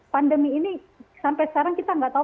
pandemi ini sampai sekarang kita nggak tahu